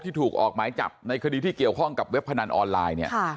ถูกออกหมายจับในคดีที่เกี่ยวข้องกับเว็บพนันออนไลน์เนี่ย